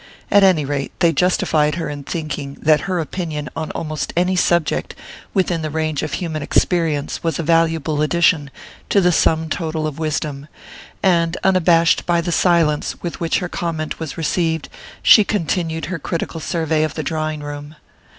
At any rate, they justified her in thinking that her opinion on almost any subject within the range of human experience was a valuable addition to the sum total of wisdom; and unabashed by the silence with which her comment was received, she continued her critical survey of the drawing room.